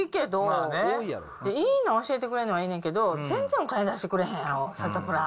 いいの教えてくれるのはええねんけど、全然お金出してくれへんやろ、サタプラ。